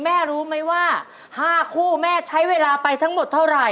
แม่รู้ไหมว่า๕คู่แม่ใช้เวลาไปทั้งหมดเท่าไหร